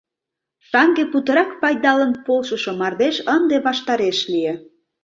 Шаҥге путырак пайдалын полшышо мардеж ынде ваштареш лие.